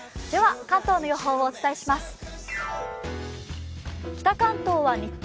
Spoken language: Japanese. では関東の予報をお伝えします。